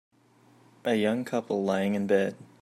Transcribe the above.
A young couple lying in bed